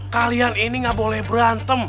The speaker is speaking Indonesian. kalian ini gak boleh berantem